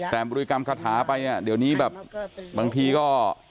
แต่บริกรรมคาถาไปอ่ะเดี๋ยวนี้แบบบางทีก็